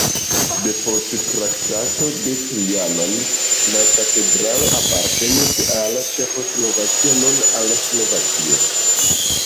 Depost Traktato de Trianon la katedralo apartenis al Ĉeĥoslovakio, nun al Slovakio.